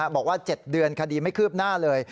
บอกว่า๗เดือนคดีไม่คืบหน้าเลย